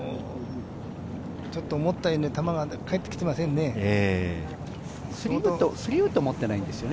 ちょっと思ったように球がいっていませんね。